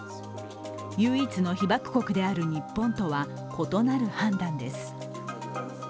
唯一の被爆国である日本とは異なる判断です。